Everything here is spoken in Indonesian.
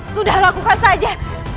sudah lakukan saja